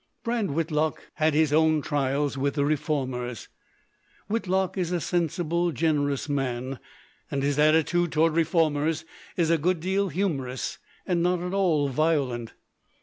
Brand Whitlock had his own trials with the reformers. Whitlock is a sensible, generous man, and his attitude toward reformers is a good deal humorous and not at all violent.